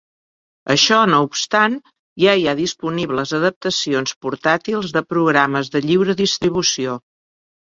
Això no obstant, ja hi ha disponibles adaptacions portàtils de programes de lliure distribució.